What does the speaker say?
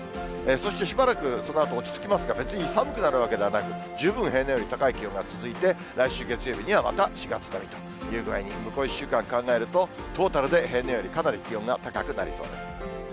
そしてしばらく、そのあと落ち着きますが、別に寒くなるわけではなく、十分平年より高い気温が続いて、来週月曜日にはまた４月並みということで、向こう１週間ぐらい考えると、トータルで平年よりかなり気温が高くなりそうです。